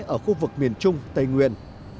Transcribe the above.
ở khu vực miền trung tây nguyên